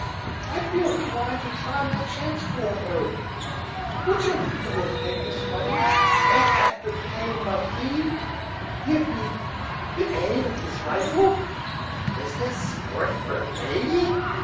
I feel inclined to try my chance for a bird. Which of you will take this money, and, after paying my fee, give me the aid of his rifle?" "Is this a sport for a lady?"